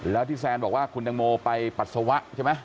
แล้วที่แซนบอกว่าคุณตังโมไปปัสสาวะใช่ไหม